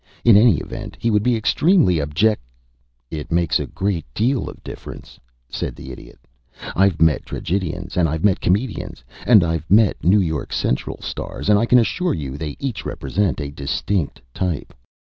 "In any event, he would be an extremely objec " "It makes a great deal of difference," said the Idiot. "I've met tragedians, and I've met comedians, and I've met New York Central stars, and I can assure you they each represent a distinct type.